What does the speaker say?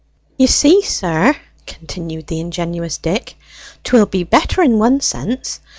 "You see, sir," continued the ingenuous Dick, "'twill be better in one sense.